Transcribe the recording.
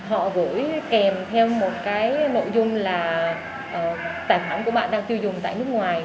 họ gửi kèm theo một cái nội dung là tài khoản của bạn đang tiêu dùng tại nước ngoài